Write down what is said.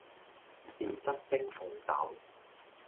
豉汁蒸鳳爪